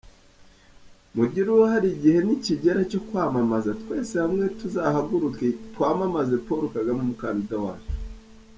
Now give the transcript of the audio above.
Mugire uruhare igihe nikigera cyo kwamamaza, twese hamwe tuzahaguruke twamamaze Paul Kagame, umukandida wacu.